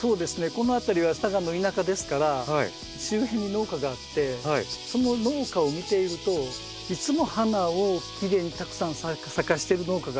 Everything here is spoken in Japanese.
この辺りは嵯峨の田舎ですから周辺に農家があってその農家を見ているといつも花をきれいにたくさん咲かせてる農家がある。